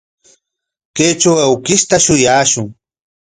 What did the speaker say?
Kaytraw awkishta shuyashun.